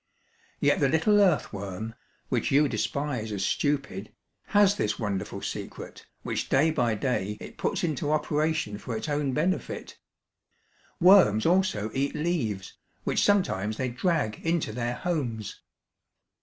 Yet the little earthworm, which you despise as stupid, has this wonderful secret, which day by day it puts into operation for its own benefit. Worms also eat leaves, which sometimes they drag into their homes.